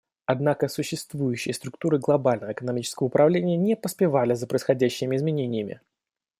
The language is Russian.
Однако существующие структуры глобального экономического управления не поспевали за происходящими изменениями.